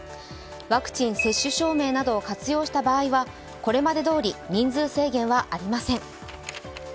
ワクチン接種証明などを活用した場合はこれまでどおり人数制限はありません。